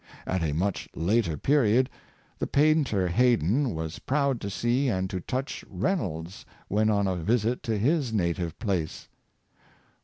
At a much later period, the painter Haydon was proud to see and to touch Rey nolds when on a visit to his native place.